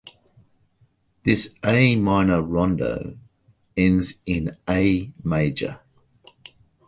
This A minor rondo ends in A major.